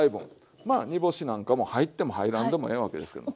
まあ煮干しなんかも入っても入らんでもええわけですけども。